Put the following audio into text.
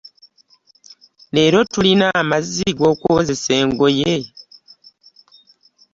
Leero tulina amazzi gw'okozesa engoye?